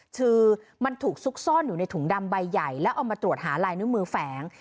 คือมันถูกซุกซ่อนอยู่ในถุงดำใบใหญ่แล้วเอามาตรวจหาลายนิ้วมือแฝง